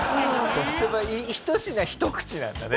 一品一口なんだね絶対。